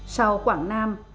sau quảng nam